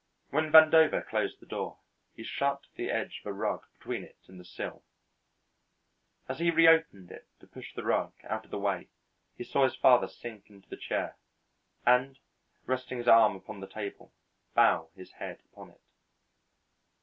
When Vandover closed the door, he shut the edge of a rug between it and the sill; as he reopened it to push the rug out of the way he saw his father sink into the chair and, resting his arm upon the table, bow his head upon it.